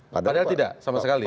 padahal tidak sama sekali